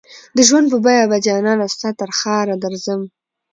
د ژوند په بیه به جانانه ستا ترښاره درځم